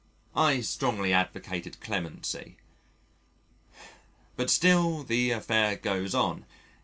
I strongly advocated clemency. But still the affair goes on.